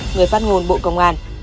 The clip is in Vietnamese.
người phát ngôn bộ công an